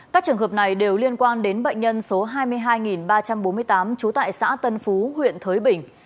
các trường hợp này đều liên quan đến bệnh nhân số hai mươi hai ba trăm bốn mươi tám trú tại xã tân phú huyện thới bình